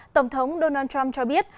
tổng thống donald trump cho biết